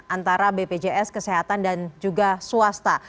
antara bpjs kesehatan dan juga swasta